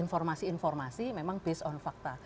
informasi informasi memang based on fakta